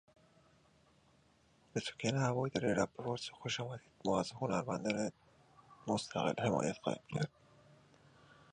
These qualities make the bonds very useful in the makeup of more complex compounds.